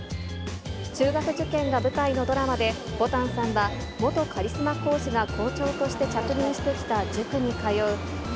中学受験が舞台のドラマで、ぼたんさんは、元カリスマ講師が校長として着任してきた塾に通う、分かった、考える。